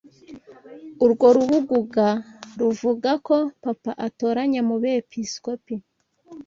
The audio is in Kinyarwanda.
Urwo rubuguga ruvuga ko Papa atoranya mu Bepiskopi